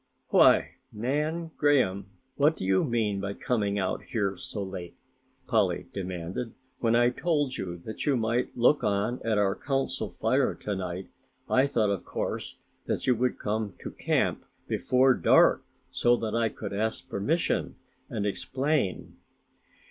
"Why, Nan Graham, what do you mean by coming out here so late?" Polly demanded. "When I told you that you might look on at our Council Fire to night I thought of course that you would come to camp before dark so that I could ask permission and explain."